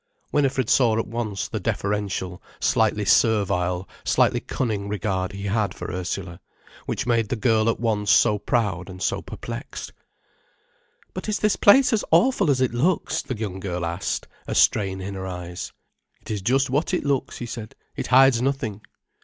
Winifred saw at once the deferential, slightly servile, slightly cunning regard he had for Ursula, which made the girl at once so proud and so perplexed. "But is this place as awful as it looks?" the young girl asked, a strain in her eyes. "It is just what it looks," he said. "It hides nothing."